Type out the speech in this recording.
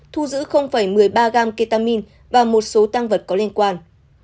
thu giữ một mươi ba g ketamin và một số tăng vật có liên quan